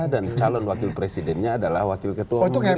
dan calon wakil presidennya adalah wakil ketua umum gerindra